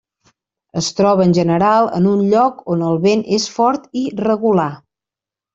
Es troba en general en un lloc on el vent és fort i regular.